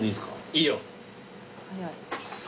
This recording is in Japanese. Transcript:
いいよ。